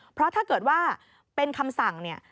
เพราะถ้าเกิดว่าเป็นคำสั่งเนี่ย